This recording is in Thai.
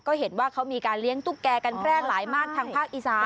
ก็เห็นว่าเขามีการเลี้ยงตุ๊กแก่กันแพร่หลายมากทางภาคอีสาน